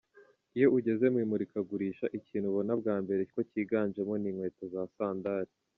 Iyo ugeze mu imurikagurisha, ikintu ubona bwa mbere ko kiganjemo ni inkweto za sandari.